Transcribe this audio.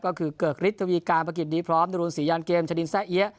ก็คือเกิกฤทธวีการประกิจดีพร้อมดรุนศรียันเกมชะดินแซ่เอี๊ยะ